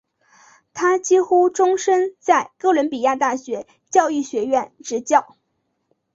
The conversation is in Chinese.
他几乎终生在哥伦比亚大学教育学院执教。